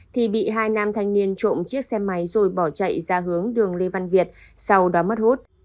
thì bị hai nam thanh niên trộm chiếc xe máy rồi bỏ chạy ra hướng đường lê văn việt sau đó mất hút